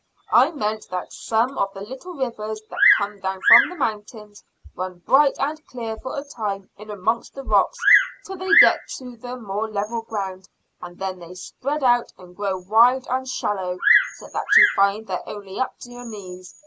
I meant that some of the little rivers that come down from the mountains run bright and clear for a time in amongst the rocks till they get to the more level ground, and then they spread out and grow wide and shallow so that you find they're only up to your knees.